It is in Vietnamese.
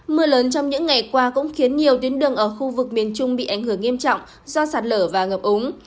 mưa lớn trong những ngày qua cũng khiến nhiều tuyến đường ở khu vực miền trung bị ảnh hưởng nghiêm trọng do sạt lở và ngập úng